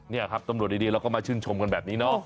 นี่ครับตำรวจดีเราก็มาชื่นชมกันแบบนี้เนาะ